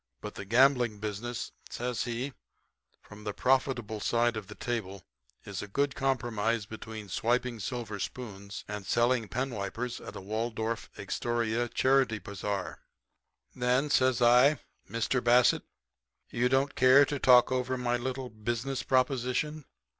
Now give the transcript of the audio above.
But the gambling business,' says he, 'from the profitable side of the table is a good compromise between swiping silver spoons and selling penwipers at a Waldorf Astoria charity bazar.' "'Then,' says I, 'Mr. Bassett, you don't care to talk over my little business proposition?'